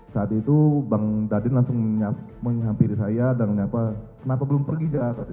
saat itu bang daden langsung menyampiri saya dan menyapa kenapa belum pergi